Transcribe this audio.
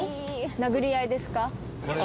殴り合いですか？